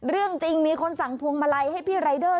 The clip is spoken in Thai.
เรื่องจริงมีคนสั่งพวงมาลัยให้พี่รายเดอร์